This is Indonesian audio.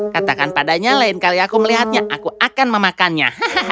katakan padanya lain kali aku melihatnya aku akan memakannya